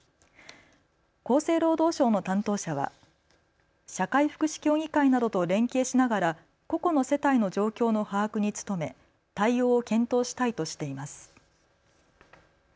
厚生労働省の担当者は、社会福祉協議会などと連携しながら個々の世帯の状況の把握に努め対応を検討したいとしています。